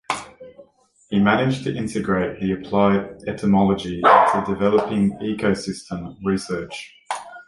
He managed to integrate the Applied Entomology into developing ecosystem research.